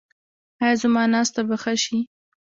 ایا زما ناسته به ښه شي؟